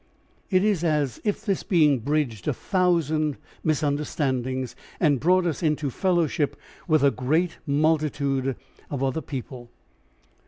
It is as if this being bridged a thousand misunderstandings and brought us into fellowship with a great multitude of other people.